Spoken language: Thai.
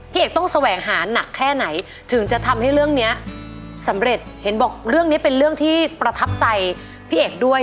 เอกต้องแสวงหาหนักแค่ไหนถึงจะทำให้เรื่องเนี้ยสำเร็จเห็นบอกเรื่องนี้เป็นเรื่องที่ประทับใจพี่เอกด้วย